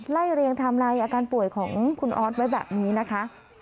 เรียงไทม์ไลน์อาการป่วยของคุณออสไว้แบบนี้นะคะ